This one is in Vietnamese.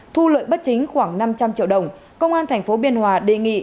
thu lợi bất chính khoảng năm trăm linh triệu đồng công an tp biên hòa đề nghị